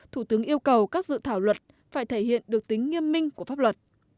thủ tướng yêu cầu các dự thảo luật phải thể hiện được tính nghiêm minh của pháp luật